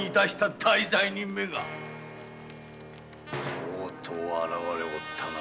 とうとう現れおったな。